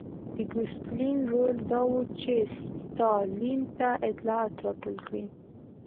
د ګوسپلین رول دا و چې ستالین ته اطلاعات راټول کړي